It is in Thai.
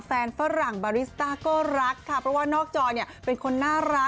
ฝรั่งบาริสต้าก็รักค่ะเพราะว่านอกจอเนี่ยเป็นคนน่ารัก